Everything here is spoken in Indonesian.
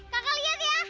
kakak lihat ya